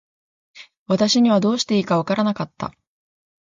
私にはどうしていいか分らなかった。